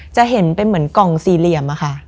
จะเห็นเป็นเหมือนกล่องสี่เหลี่ยมอะค่ะ